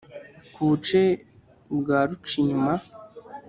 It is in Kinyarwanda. Ku buce bwa Rucinyuma